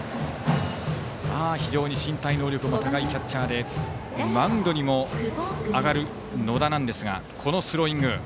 非常に身体能力の高いキャッチャーでマウンドにも上がる野田なんですがこのスローイング。